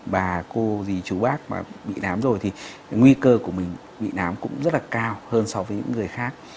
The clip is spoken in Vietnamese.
bà cô dí chú bác mà bị nám rồi thì nguy cơ của mình bị nám cũng rất là cao hơn so với những người khác